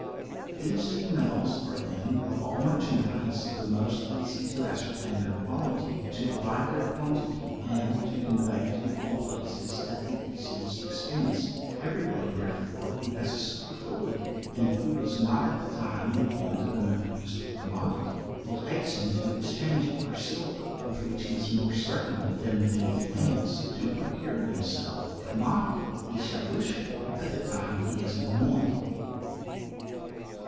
These two metals are then, of all merchandize, the most easy to ascertain their quality, to divide their quantity, and to convey to all places at the easiest expence. Every one, therefore, who has a superfluity, and who is not at the time in want of another useful commodity, will hasten to exchange it for silver, with which he is more certain, than with any thing else, to procure himself the commodity he shall wish for at the time he is in want.